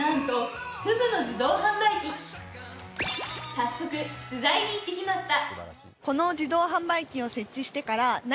早速、取材に行きました。